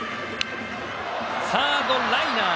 サードライナー。